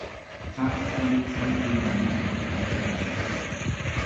Платт түүний талаар ихийг мэдэж авахад төвөгтэй байсангүй.